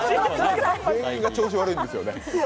全員が調子悪いんですよね。